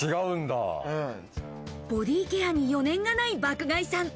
ボディケアに余念がない爆買いさん。